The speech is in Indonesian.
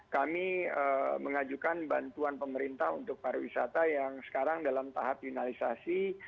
kami mengajukan bantuan pemerintah untuk pariwisata yang sekarang dalam tahap finalisasi